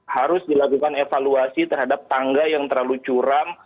harus dilakukan evaluasi terhadap tangga yang terlalu curam